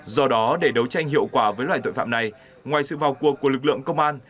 do đó để đấu tranh hiệu quả với loại tội phạm này ngoài sự vào cuộc của lực lượng công an